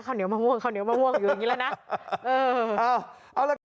ข้าวเหนียวมะม่วงอยู่อย่างนี้แล้วนะ